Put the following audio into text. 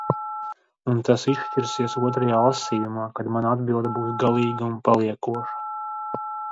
Un tas izšķirsies otrajā lasījumā, kad mana atbilde būs galīga un paliekoša.